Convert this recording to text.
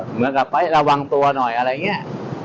เหมือนกับไประวังตัวหน่อยอะไรอย่างนี้